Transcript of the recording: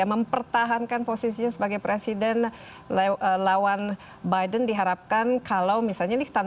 nah ini caranya beda caranya beda